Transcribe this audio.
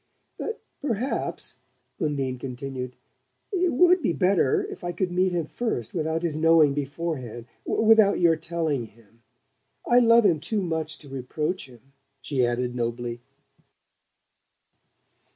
"But perhaps," Undine continued, "it would be better if I could meet him first without his knowing beforehand without your telling him ... I love him too much to reproach him!" she added nobly.